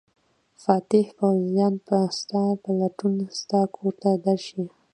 فاتح پوځیان به ستا په لټون ستا کور ته درشي.